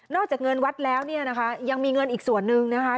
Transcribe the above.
นอกจากเงินวัดแล้วยังมีเงินอีกส่วนนึงนะคะ